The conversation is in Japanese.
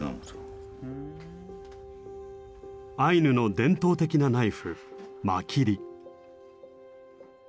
アイヌの伝統的なナイフマキリ。